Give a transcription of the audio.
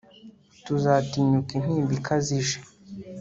Tuzatinyuka intimba ikaze ije